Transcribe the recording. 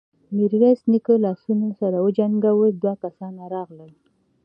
ميرويس نيکه لاسونه سره وجنګول، دوه کسان راغلل.